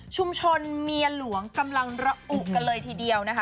เมียหลวงกำลังระอุกันเลยทีเดียวนะคะ